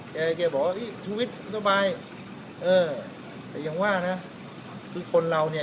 แกแกบอกว่าชูวิทย์สบายเออแต่ยังว่านะคือคนเราเนี่ย